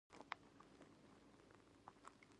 په غارونو کې ژوند کول پخوانی و